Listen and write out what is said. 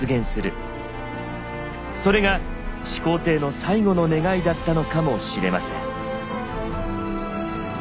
それが始皇帝の最後の願いだったのかもしれません。